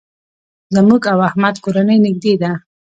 زموږ او احمد کورنۍ نېږدې ده.